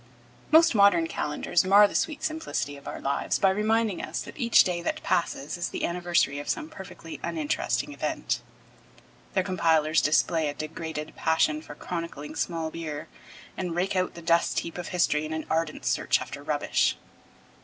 Most modern calendars mar the sweet simplicity of our lives by reminding us that each day that passes is the anniversary of some perfectly uninteresting event. Their compilers display a degraded passion for chronicling small beer, and rake out the dust heap of history in an ardent search after rubbish.